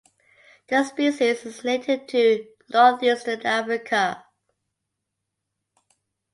The species is native to northeastern Africa.